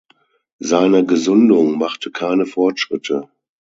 Seine Gesundung machte keine Fortschritte.